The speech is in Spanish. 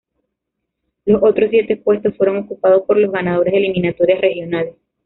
Los otros siete puestos fueron ocupados por los ganadores de eliminatorias regionales.